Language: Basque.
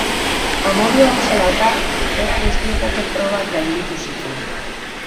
Amodio hau zela eta, era guztietako probak gainditu zituen.